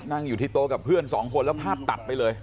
นั่งอยู่ที่โต๊ะกับเพื่อนสองคนแล้วภาพตัดไปเลย